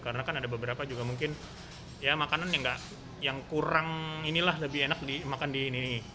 karena kan ada beberapa juga mungkin ya makanan yang kurang inilah lebih enak makan di ini